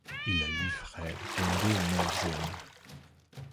Il a huit frères, dont deux meurent jeunes.